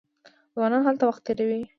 ځوانان هلته وخت تیروي.